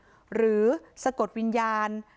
นี่แหละตรงนี้แหละ